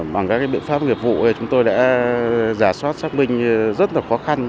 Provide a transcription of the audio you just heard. bằng các biện pháp nghiệp vụ chúng tôi đã giả soát xác minh rất là khó khăn